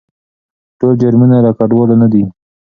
ټول جرمونه له کډوالو نه دي.